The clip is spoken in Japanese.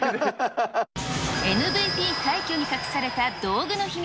ＭＶＰ快挙に隠された道具の秘密。